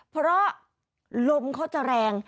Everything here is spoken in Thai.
เพราะลมเขาจะแรง